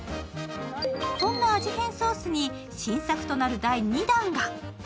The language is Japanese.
そんな味変ソースに新作となる第２弾が。